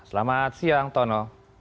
selamat siang tono